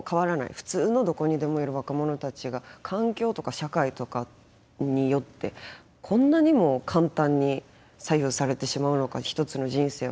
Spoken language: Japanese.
普通のどこにでもいる若者たちが環境とか社会とかによってこんなにも簡単に左右されてしまうのか一つの人生は。